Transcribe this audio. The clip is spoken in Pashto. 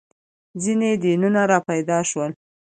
• ځینې دینونه راپیدا شول.